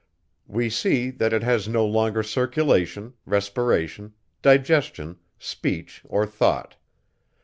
We see, that it has no longer circulation, respiration, digestion, speech, or thought.